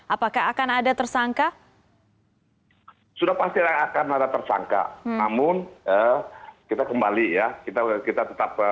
apakah akan ada tersangka sudah pasti akan ada tersangka namun kita kembali ya kita kita tetap